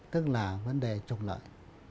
tức là vấn đề trục lợi